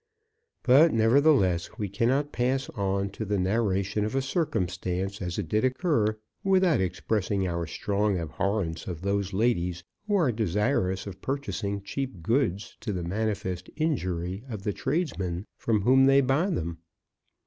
But, nevertheless, we cannot pass on to the narration of a circumstance as it did occur, without expressing our strong abhorrence of those ladies who are desirous of purchasing cheap goods to the manifest injury of the tradesmen from whom they buy them.